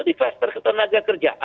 pandangan sudut partai buruh